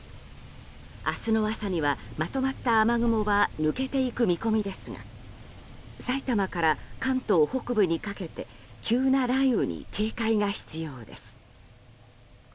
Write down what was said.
明日の朝には、まとまった雨雲は抜けていく見込みですが埼玉から関東北部にかけて急な雷雨に警戒が必要です。